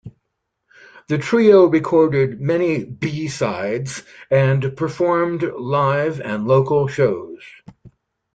The trio recorded many b-sides and performed live and local shows.